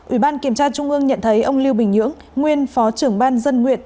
ủy ban kiểm tra trung ương nhận thấy ông lưu bình nhưỡng nguyên phó trưởng ban dân nguyện